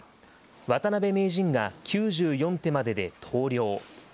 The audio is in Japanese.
渡辺名人が９４手までで投了。